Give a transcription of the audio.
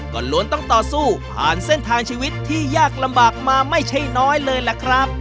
ก็ล้วนต้องต่อสู้ผ่านเส้นทางชีวิตที่ยากลำบากมาไม่ใช่น้อยเลยล่ะครับ